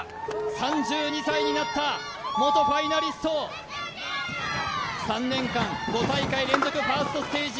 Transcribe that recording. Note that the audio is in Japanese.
３２歳になった元ファイナリスト３年間５大会連続ファーストステージ